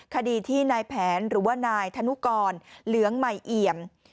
คดีที่นายแผนหรือว่านายธนุกรเหลืองใหม่เอี่ยม